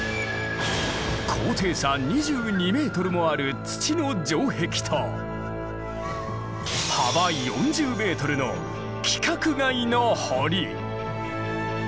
高低差２２ｍもある土の城壁と幅４０ｍの規格外の堀！